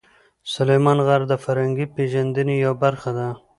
سلیمان غر د فرهنګي پیژندنې یوه برخه ده.